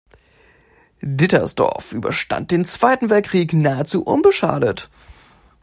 Dittersdorf überstand den Zweiten Weltkrieg nahezu unbeschadet.